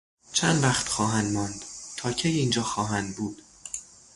چند وقت خواهند ماند؟ تا کی اینجا خواهند بود؟